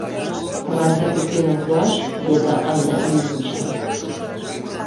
— Тыланда пӱкеным пуаш? — йодо Анна Ильинична.